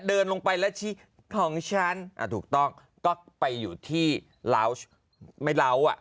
เดินลงไปแล้วที่ของฉันอ่ะถูกต้องก็ไปอยู่ที่ไม่ร้าวอ่ะ